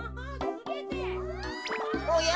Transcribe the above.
・おや？